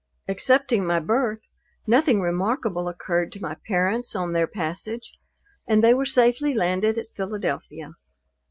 Excepting my birth, nothing remarkable occurred to my parents on their passage, and they were safely landed at Philadelphia.